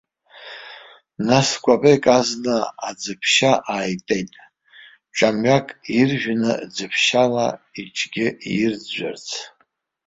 Нас кәапеик азна аӡыԥшьа ааитеит, ҿамҩақәак иржәны, ӡыԥшьала иҿгьы ааирӡәӡәарц.